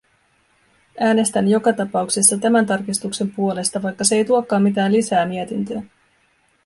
Äänestän joka tapauksessa tämän tarkistuksen puolesta, vaikka se ei tuokaan mitään lisää mietintöön.